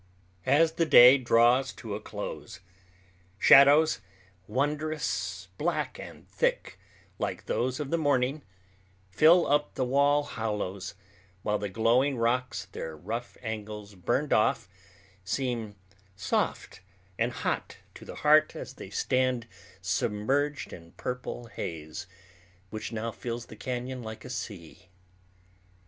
As the day draws to a close, shadows, wondrous, black, and thick, like those of the morning, fill up the wall hollows, while the glowing rocks, their rough angles burned off, seem soft and hot to the heart as they stand submerged in purple haze, which now fills the cañon like a sea.